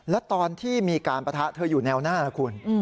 และตอนที่มีการปะทะเธออยู่แนวหน้านะคุณ